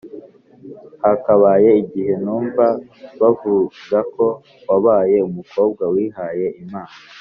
hakaba igihe numva bavuga ko wabaye umukobwa wihaye imana